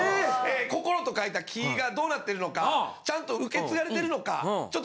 心と書いた木がどうなっているのかちゃんと受け継がれてるのか。